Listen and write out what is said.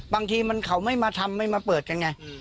บางทีมันเขาไม่มาทำไม่มาเปิดกันไง